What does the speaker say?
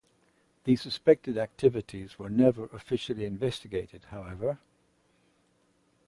The suspected activities were never officially investigated, however.